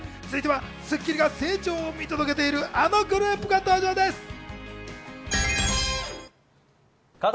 続いては『スッキリ』が成長を見届けているあのグループが登場です。